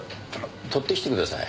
取ってきてください。